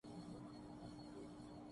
وہ اس کے خالق تھے۔